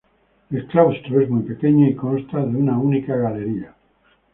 El claustro es muy pequeño y consta de una única galería.